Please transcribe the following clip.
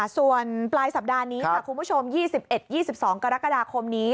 ส่วนปลายสัปดาห์นี้ค่ะคุณผู้ชม๒๑๒๒กรกฎาคมนี้